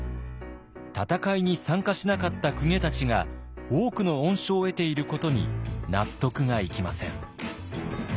戦いに参加しなかった公家たちが多くの恩賞を得ていることに納得がいきません。